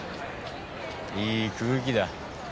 いい空気だ。